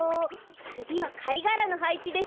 つぎはかいがらのはいちです。